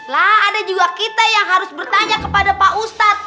lah ada juga kita yang harus bertanya kepada pak ustadz